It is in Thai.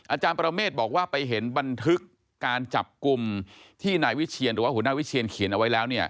อาจารย์ประเมฆบอกว่าไปเห็นบันทึกการจับกลุ่มที่หุ่นน้าวิเชียนเขียนเอาไว้แล้ว